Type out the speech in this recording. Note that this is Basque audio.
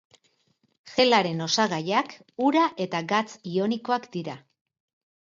Gelaren osagaiak ura eta gatz ionikoak dira.